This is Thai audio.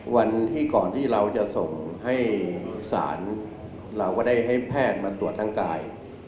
วันที่ก่อนที่เราจะส่งให้ศาลเราก็ได้ให้แพทย์มาตรวจร่างกาย